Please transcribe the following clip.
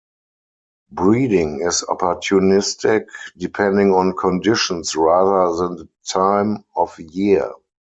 Breeding is opportunistic, depending on conditions rather than the time of year.